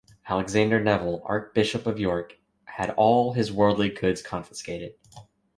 Alexander Neville, Archbishop of York, had all his worldly goods confiscated.